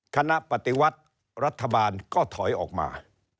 คณะปฏิวัติรัฐบาลก็ถอยออกมา